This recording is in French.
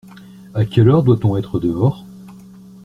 À quelle heure doit-on être dehors ?